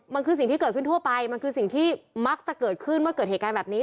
มันคือสิ่งที่เกิดขึ้นทั่วไปมันคือสิ่งที่มักจะเกิดขึ้นเมื่อเกิดเหตุการณ์แบบนี้